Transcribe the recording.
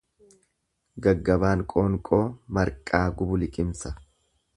Gaggabaan qoonqoo marqaa gubu liqimsa.